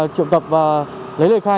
triệu tập và lấy lời khai